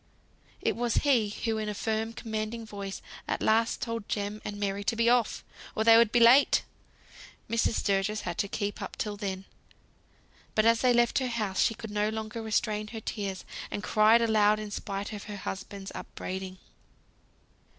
It was he who in a firm commanding voice at last told Jem and Mary to be off, or they would be too late. Mrs. Sturgis had kept up till then; but as they left her house, she could no longer restrain her tears, and cried aloud in spite of her husband's upbraiding.